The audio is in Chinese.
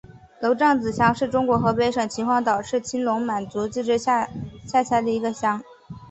娄杖子乡是中国河北省秦皇岛市青龙满族自治县下辖的一个乡。